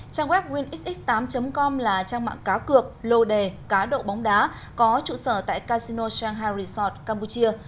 trang web winxx tám com là trang mạng cá cược lô đề cá độ bóng đá có trụ sở tại casino jhan ha resort campuchia